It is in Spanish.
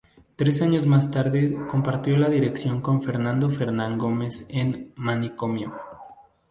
Tres años más tarde compartió dirección con Fernando Fernán Gómez en "Manicomio".